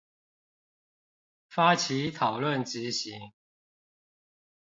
發起討論執行